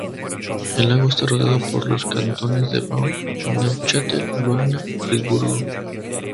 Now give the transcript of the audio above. El lago está rodeado por los cantones de Vaud, Neuchâtel, Berna y Friburgo.